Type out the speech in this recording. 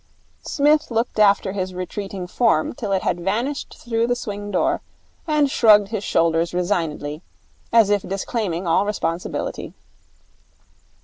Psmith looked after his retreating form till it had vanished through the swing door, and shrugged his shoulders resignedly, as if disclaiming all responsibility.